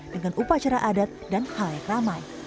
dengan upacara adat dan hal yang ramai